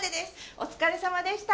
お疲れさまでした。